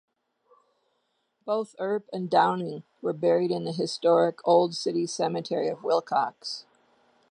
Both Earp and Downing were buried in the historic "Old City Cemetery" of Willcox.